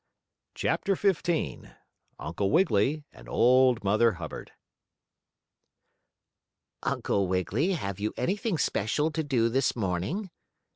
CHAPTER XV UNCLE WIGGILY AND OLD MOTHER HUBBARD "Uncle Wiggily, have you anything special to do this morning?"